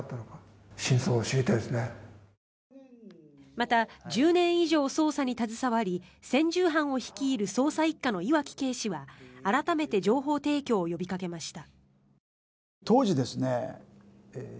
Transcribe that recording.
また、１０年以上捜査に携わり専従班を率いる捜査１課の岩城警視は改めて情報提供を呼びかけました。